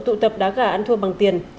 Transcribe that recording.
tụ tập đá gà ăn thua bằng tiền